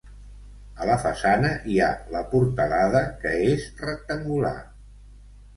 A la façana hi ha la portalada, que és rectangular.